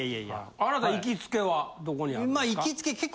あなた行きつけはどこにあるんですか？